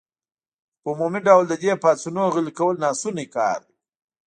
خو په عمومي ډول د دې پاڅونونو غلي کول ناشوني کار و.